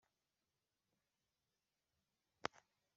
Gusa ubu nahisemo kwitwara neza